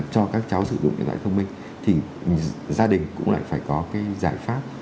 cho các cháu sử dụng điện thoại thông minh thì gia đình cũng lại phải có cái giải pháp